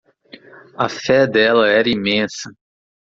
A fé dela era imensa.